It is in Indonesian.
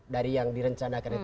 dari yang direncanakan itu